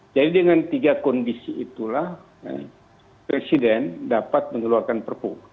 jadi dengan tiga kondisi itulah presiden dapat mengeluarkan perpu